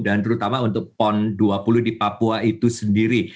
terutama untuk pon dua puluh di papua itu sendiri